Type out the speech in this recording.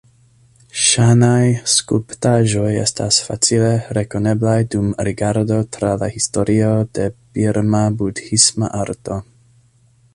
Ŝan-aj skulptaĵoj estas facile rekoneblaj dum rigardo tra la historio de Birma budhisma arto.